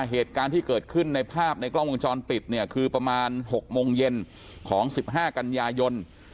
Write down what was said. เหตุการณ์ที่เกิดขึ้นในภาพในกล้องวงจรปิดเนี่ยคือประมาณ๖โมงเย็นของ๑๕กันยายน